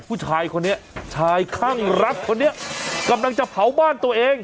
ผู้ชายคนนี้ชายข้างรักคนนี้กำลังจะเผาบ้านตัวเอง